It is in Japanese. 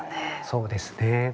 そうですね。